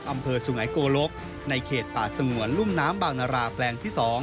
อำเภอสุไงโกลกในเขตป่าสงวนรุ่มน้ำบางนาราแปลงที่๒